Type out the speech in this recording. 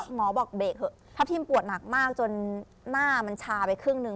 หมอบอกเบรกเถอะทัพทิมปวดหนักมากจนหน้ามันชาไปครึ่งหนึ่ง